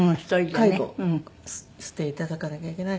介護していただかなきゃいけない。